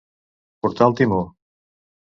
Portar el timó.